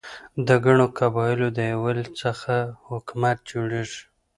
د ګڼو قبایلو د یووالي څخه حکومت جوړيږي.